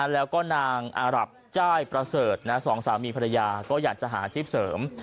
แล้วก็นางอารับจ้ายประเสริฐสองสามีภรรยาก็อยากจะหาอาชีพเสริม